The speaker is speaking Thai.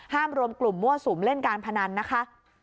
รวมกลุ่มมั่วสุมเล่นการพนันนะคะ